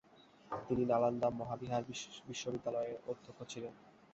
তিনি নালন্দা মহাবিহার বিশ্ববিদ্যালয়ের অধ্যক্ষ ছিলেন।